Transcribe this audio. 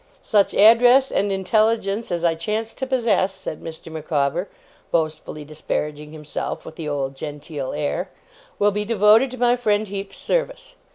Such address and intelligence as I chance to possess,' said Mr. Micawber, boastfully disparaging himself, with the old genteel air, 'will be devoted to my friend Heep's service.